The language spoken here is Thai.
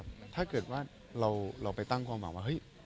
มีแรงไหม